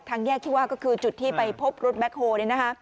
ทางแยกคิดว่าก็คือจุดที่ไปพบรถแบคโฮล์